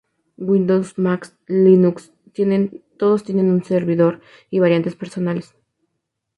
Windows, Mac y Linux todos tienen servidor y variantes personales.